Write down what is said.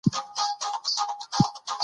یاقوت د افغانانو د فرهنګ پیژندني برخه ده.